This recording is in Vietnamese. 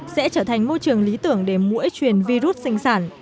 sẽ trở thành môi trường lý tưởng để mũi truyền virus sinh sản